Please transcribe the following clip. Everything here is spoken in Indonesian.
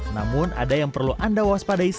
namun ada yang perlu anda waspadai saat mengambil gizi